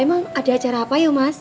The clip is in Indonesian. emang ada acara apa ya mas